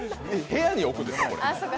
部屋に置くんですよ、これ。